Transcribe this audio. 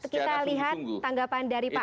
kita lihat tanggapan dari pak